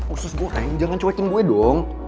usus goreng jangan cuekin gue dong